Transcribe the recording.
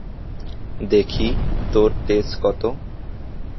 দেখি তোর তেজ কতো।